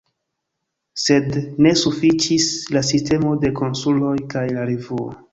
Sed ne sufiĉis la sistemo de konsuloj kaj la revuo.